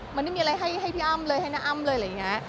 มันไม่มีอะไรให้พี่อ้ำเลยให้น้าอ้ำเลยอะไรอย่างนี้